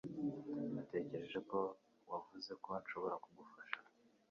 Natekereje ko wavuze ko nshobora kugufasha.